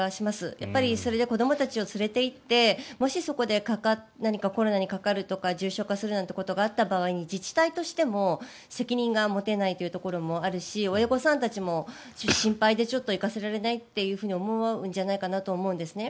やっぱりそれで子どもたちを連れていってもしそこで何かコロナにかかるとか重症化するということがあった場合に自治体としても責任が持てないというところもあるし親御さんたちも心配でちょっと行かせられないと思うと思うんですね。